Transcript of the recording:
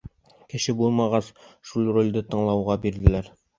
Кеше булмағас, шул ролде Таңһылыуға бирҙеләр.